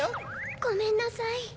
ごめんなさい。